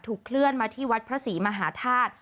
เคลื่อนมาที่วัดพระศรีมหาธาตุ